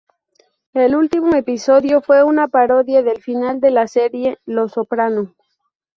El último episodio fue una parodia del final de la serie "Los Soprano".